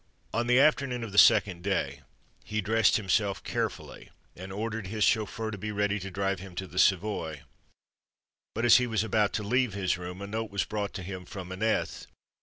On the afternoon of the second day he dressed himself carefully and ordered his chauffeur to be ready to drive him to the Savoy; but as he was about to leave his room, a note was brought to him from Aneth.